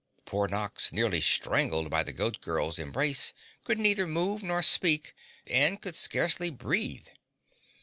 Poor Nox, nearly strangled by the Goat Girl's embrace could neither move nor speak and could scarcely breathe.